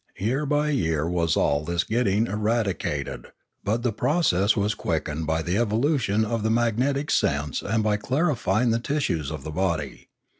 Year by year was all this getting eradicated; but the process was quickened by the evolution of the magnetic sense and by the clarifying of the tissues of the body.